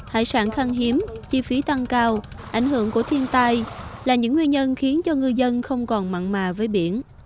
hải sản khăn hiếm chi phí tăng cao ảnh hưởng của thiên tai là những nguyên nhân khiến cho ngư dân không còn mặn mà với biển